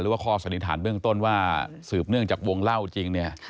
หรือว่าข้อสนิทานเบื้องต้นว่าสืบเนื่องจากวงเหล้าจริง